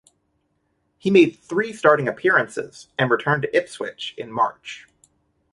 He made three starting appearances and returned to Ipswich in March.